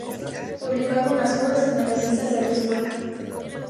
Publicó algunas obras en las revistas de la escuela.